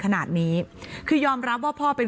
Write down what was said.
หนูจะให้เขาเซอร์ไพรส์ว่าหนูเก่ง